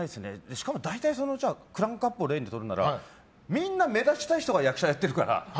しかもクランクアップを例にとるならみんな目立ちたい人が役者やってるから。